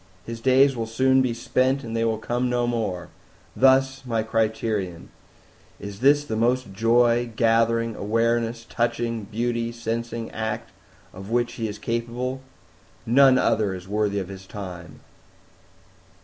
His Days will soon be spent and they will come no more; thus my Criterion: Is This the most Joy gathering, Awareness touching, Beauty sensing act of which he is capable? None other is worthy of his time!"